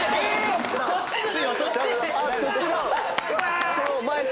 そっちか！